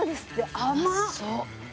甘そう。